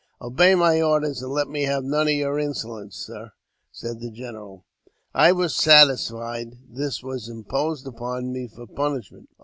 " Obey my orders, and let me have none of your insolence, sir," said the general. I was satisfied this was imposed upon me for punishment.